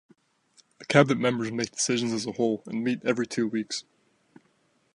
The cabinet members make decisions as a whole and meet every two weeks.